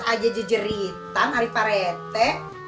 kayaknya ada yang gak beres deh li